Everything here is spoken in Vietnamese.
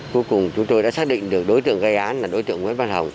cuối cùng chúng tôi đã xác định được đối tượng gây án là đối tượng nguyễn văn hồng